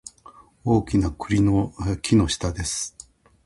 大きな栗の木の下です